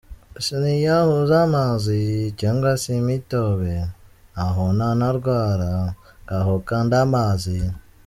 Ese niyahuze amazi cyangwa se imitobe? Naho nanarwara, ngaho kanda amazi.